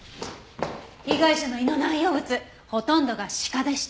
被害者の胃の内容物ほとんどが鹿でした。